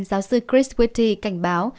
giáo sư chris whitty cảnh báo